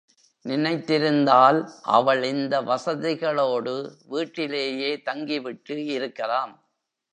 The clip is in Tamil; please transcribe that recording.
நினைத்திருந்தால் அவள் இந்த வசதிகளோடு வீட்டிலேயே தங்கிவிட்டு இருக்கலாம்.